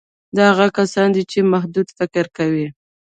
دا هغه کسان دي چې محدود فکر کوي